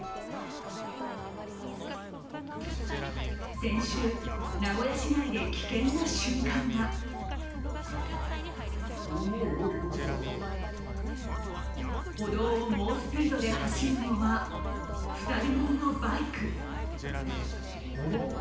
先週、名古屋市内で危険な瞬間が歩道を猛スピードで走るのは２人乗りのバイク。